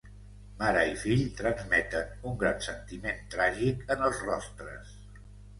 Mare i fill transmeten un gran sentiment tràgic en els rostres.